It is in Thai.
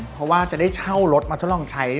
เพราะว่าจะได้เช่ารถมาทดลองใช้